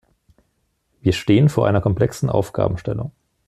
Wir stehen vor einer komplexen Aufgabenstellung.